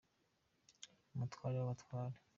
Umutware wabatware.